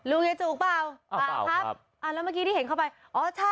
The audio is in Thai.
ลูกเย็นจุกบ้าวจบฮะแล้วเมื่อกี้ที่เห็นเข้าไปอ๊ะใช่